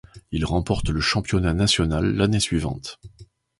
Il remporte le championnat national l'année suivante.